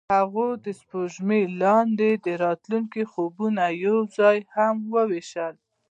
هغوی د سپوږمۍ لاندې د راتلونکي خوبونه یوځای هم وویشل.